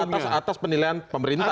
itu atas penilaian pemerintah